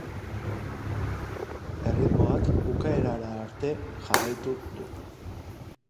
Erritmoak bukaerara arte jarraitu du.